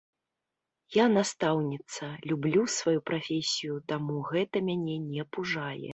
Я настаўніца, люблю сваю прафесію, таму гэта мяне не пужае.